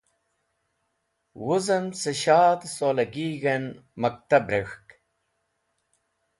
Wuzem cẽ shadh solagig̃h en maktab rek̃hk.